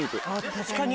確かに。